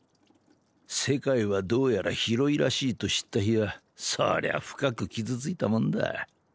世界はどうやら広いらしいと知った日はそりゃ深く傷ついたもんだ。